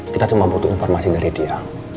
kita cuma butuh informasi dari dia